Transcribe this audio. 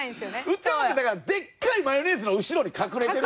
内山君だからでっかいマヨネーズの後ろに隠れてる。